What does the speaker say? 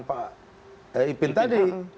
pak ipin tadi